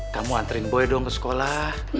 kamu antren boy dong ke sekolah